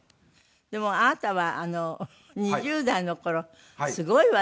でもあなたは２０代の頃すごいわね。